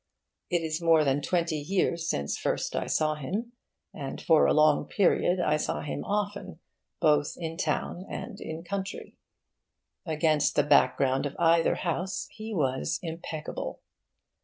It is more than twenty years since first I saw him; and for a long period I saw him often, both in town and in country. Against the background of either house he was impeccable.